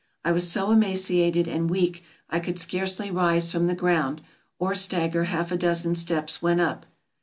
I was so emaciated and weak I could scarcely rise from the ground, or stagger half a dozen steps when up.